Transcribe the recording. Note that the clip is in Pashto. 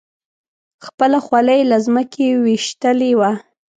خپله خولۍ یې له ځمکې ویشتلې وه.